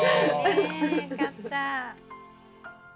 よかった。